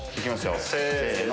せの！